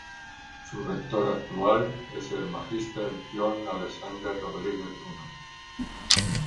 Su rector actual es el Magister John Alexander Rodríguez Gómez.